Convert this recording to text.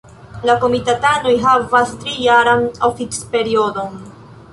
La komitatanoj havas trijaran oficperiodon.